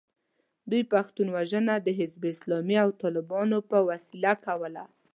دوی پښتون وژنه د حزب اسلامي او طالبانو په وسیله کوله.